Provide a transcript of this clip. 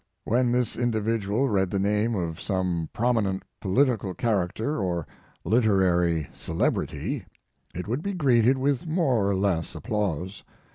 When this individual read the name of some prominent politi cal character or literary celebrity, it would be greeted with more or less ap plause.